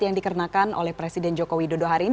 yang dikarenakan oleh presiden jokowi dodo hari ini